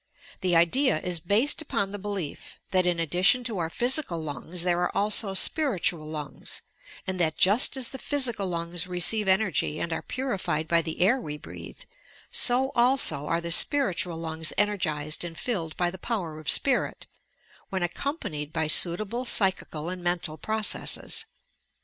The idea is based upon the belief that, in addition to our physical lungs, there are also spiritual lungs, and that just as the physical lungs receive energy and are purified by the air we breathe, — so also are the spiritual lungs energized and filled by the power of spirit, when accompanied by suitable p^ehical and mental processes.